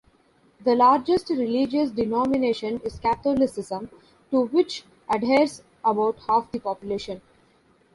The largest religious denomination is Catholicism, to which adheres about half the population.